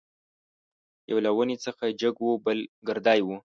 یو له ونې څخه جګ وو بل ګردی وو.